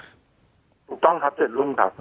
ถูกต้องครับ๗รุ่งครับ